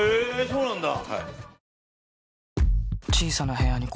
そうなんだ。